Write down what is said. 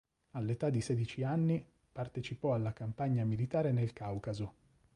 All'età di sedici anni partecipò alla campagna militare nel Caucaso.